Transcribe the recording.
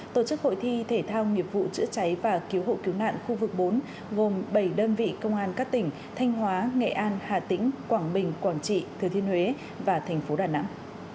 tổ chức hội thi thể thao nghiệp vụ chữa cháy và cứu hộ cứu nạn khu vực bốn gồm bảy đơn vị công an các tỉnh thanh hóa nghệ an hà tĩnh quảng bình quảng trị thừa thiên huế và thành phố đà nẵng